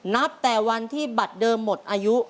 นับแต่วันที่บัตรเดิมหมดอายุ